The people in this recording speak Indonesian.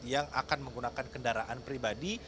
yang akan menggunakan kendaraan pribadi